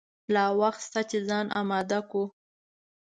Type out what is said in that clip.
لا وخت شته چې ځان آمده کړو.